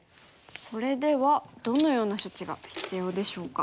それではどのような処置が必要でしょうか。